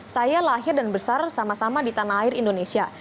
saya lahir dan besar sama sama di tanah air indonesia